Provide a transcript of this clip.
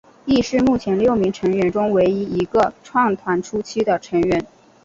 亦是目前六名成员中唯一一个创团初期的成员。